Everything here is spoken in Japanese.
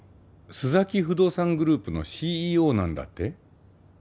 須崎不動産グループのＣＥＯなんだって？